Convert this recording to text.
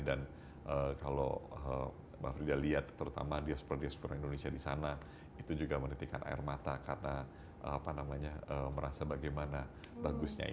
dan kalau beliau lihat terutama diaspora diaspora indonesia di sana itu juga meritikan air mata karena merasa bagaimana bagusnya